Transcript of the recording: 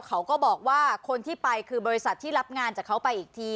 เขาก็บอกว่าคนที่ไปคือบริษัทที่รับงานจากเขาไปอีกที